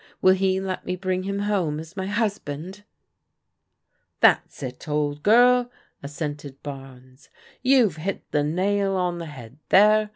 Will he let me bring him home as my husband ?"" That's it, old girl," assented Barnes. " You've hit the nail on the head there.